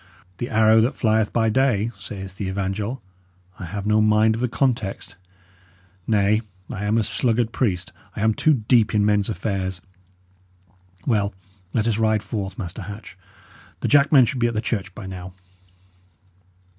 'The arrow that flieth by day,' saith the evangel; I have no mind of the context; nay, I am a sluggard priest, I am too deep in men's affairs. Well, let us ride forth, Master Hatch. The jackmen should be at the church by now."